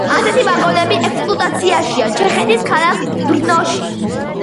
ასეთი ვაგონები ექსპლუატაციაშია ჩეხეთის ქალაქ ბრნოში.